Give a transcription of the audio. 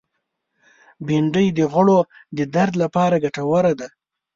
بېنډۍ د غړو د درد لپاره ګټوره ده